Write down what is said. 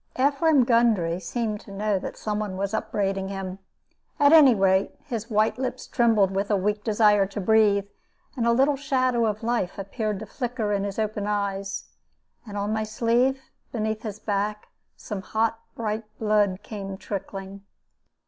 Ephraim Gundry seemed to know that some one was upbraiding him. At any rate, his white lips trembled with a weak desire to breathe, and a little shadow of life appeared to flicker in his open eyes. And on my sleeve, beneath his back, some hot bright blood came trickling.